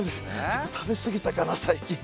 ちょっと食べ過ぎたかな最近。